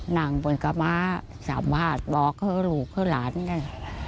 นั่งเป็นก็มาสัมภาษณ์บอกเค้าลูกเค้าหลานนี่